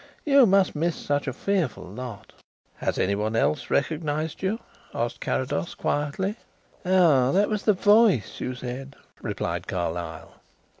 You must miss such a fearful lot." "Has anyone else recognized you?" asked Carrados quietly. "Ah, that was the voice, you said," replied Carlyle.